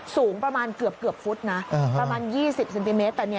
สูงประมาณเกือบฟุตนะประมาณ๒๐เซนติเมตร